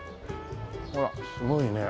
ほらすごいね鮎